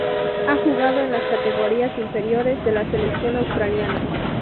Ha jugado en las categorías inferiores de la selección australiana.